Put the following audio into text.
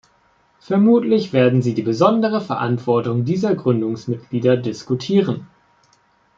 Vermutlich werden sie die besondere Verantwortung dieser Gründungsmitglieder diskutieren.